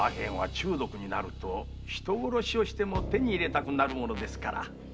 中毒になると人を殺しても手に入れたくなるものですから。